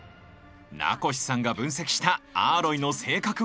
名越さんが分析したアーロイの性格は？